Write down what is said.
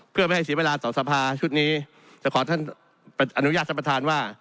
เพื่อไม่ให้เสียเวลาต่อสภาชุดนี้แต่ขอท่านอนุญาตท่านประธานว่า